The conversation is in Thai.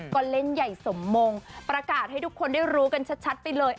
ก็เล่นใหญ่สมมงประกาศให้ทุกคนได้รู้กันชัดไปเลย